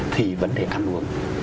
thì vấn đề ăn uống